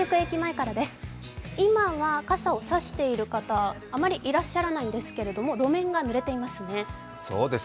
今は傘を差している方、あまりいらっしゃらないんですけれども、路面が濡れていますね。